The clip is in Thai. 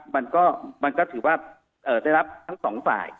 มันก็ถือว่าได้รับทั้งสองฝ่าย